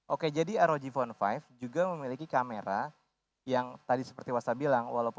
oke jadi rog phone lima juga memiliki kamera yang tadi seperti wasa bilang